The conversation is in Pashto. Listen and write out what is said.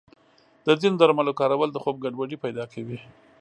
د ځینو درملو کارول د خوب ګډوډي پیدا کوي.